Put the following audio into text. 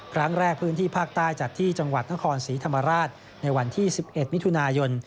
ครั้งแรกพื้นที่ภาคใต้จัดที่จังหวัดนครศรีธรรมราชในวันที่๑๑มิถุนายน